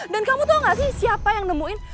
dan kamu tahu nggak sih siapa yang nemuin